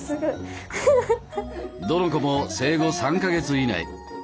どの子も生後３か月以内。